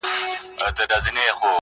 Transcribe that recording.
د بوډا مخي ته دي ناست څو ماشومان د کلي!.